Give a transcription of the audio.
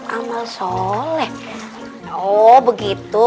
amal soleh oh begitu